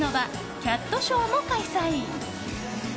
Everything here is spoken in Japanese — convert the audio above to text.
キャットショーも開催。